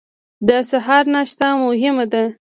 د سهار ناشته مهمه ده